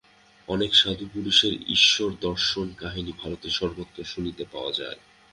অনেক সাধুপুরুষের ঈশ্বরদর্শন-কাহিনী ভারতে সর্বত্র শুনিতে পাওয়া যায়।